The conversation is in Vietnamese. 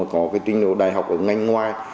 có trình độ đại học ở ngành ngoài